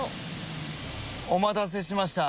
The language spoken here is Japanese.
お待たせしました。